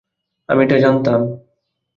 আমি এটা জানতাম।